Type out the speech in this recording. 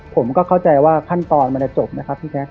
ผมก็เข้าใจว่าขั้นตอนมันจะจบนะครับพี่แจ๊